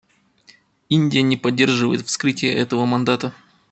Индия не поддерживает вскрытие этого мандата.